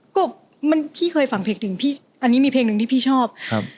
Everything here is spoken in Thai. กบมันพี่เคยฟังเพลงหนึ่งพี่อันนี้มีเพลงหนึ่งที่พี่ชอบครับ